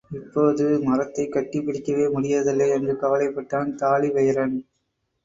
இப்போ மரத்தைக் கட்டிப் பிடிக்கவே முடியறதில்லை என்று கவலைப் பட்டான் தாழிவயிறன்.